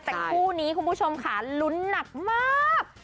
แต่คู่นี้คุณผู้ชมค่ะลุ้นหนักมาก